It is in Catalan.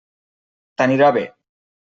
T'anirà bé.